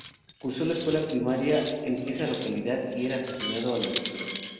Cursó la escuela primaria en esa localidad y era aficionado a la lectura.